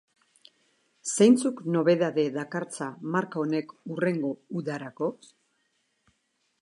Zeintzuk nobedade dakartza marka honek hurrengo udarako?